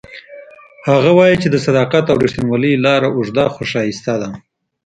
هغه وایي چې د صداقت او ریښتینولۍ لاره اوږده خو ښایسته ده